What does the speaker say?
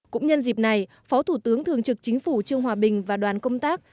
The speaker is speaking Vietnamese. cũng nhân dịp này phó thủ tướng thường trực chính phủ trương hòa bình và đoàn công tác